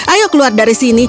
ayo keluar dari sini